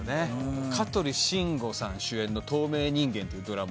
香取慎吾さん主演の『透明人間』っていうドラマの。